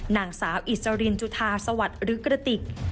นางสาวอิสรินจุธาสวัสดิ์หรือกระติก